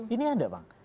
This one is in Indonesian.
ini ada bang